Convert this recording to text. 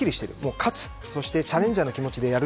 勝つ、そしてチャレンジャーの気持ちでやる。